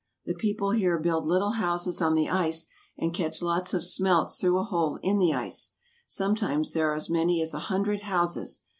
The people here build little houses on the ice, and catch lots of smelts through a hole in the ice. Sometimes there are as many as a hundred houses.